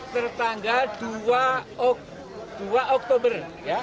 tertanggal dua oktober